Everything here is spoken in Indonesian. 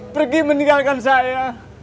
pergi meninggalkan saya